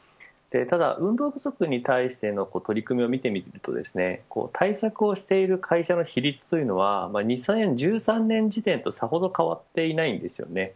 ただ、運動不足に対しての取り組みを見てみると対策をしている会社の比率というのは２０１３年時点とさほど変わっていないんです。